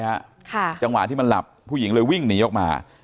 หนีออกมาได้ฮะจังหวะที่มันหลับผู้หญิงเลยวิ่งหนีออกมา